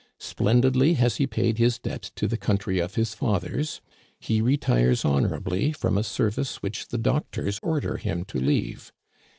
Splendidly has he paid his debt to the country of his fathers. He retires honorably from a service which the doctors order him to leave.